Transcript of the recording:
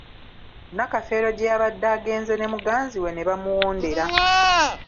Nakafeero gye yabadde agenze ne muganzi we ne bamuwondera.